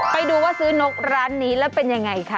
ไปดูว่าซื้อนกร้านนี้แล้วเป็นยังไงคะ